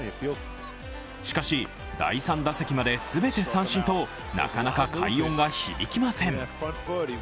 しかし、第３打席まで全て三振となかなか快音が響きません。